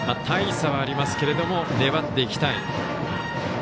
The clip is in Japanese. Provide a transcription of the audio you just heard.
大差はありますけども粘っていきたい。